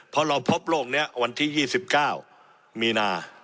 เพราะเราพบโรคนี้วันที่๒๙มีนา